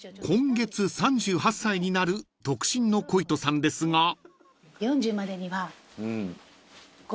［今月３８歳になる独身の鯉斗さんですが］